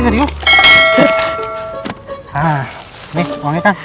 ini uangnya kan